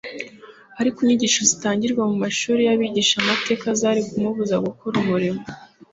Ariko inyigisho zitangirwa mu mashuri y'abigishamategeko zari kumubuza gukora umurimo